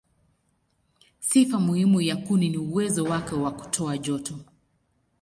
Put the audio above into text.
Sifa muhimu ya kuni ni uwezo wake wa kutoa joto.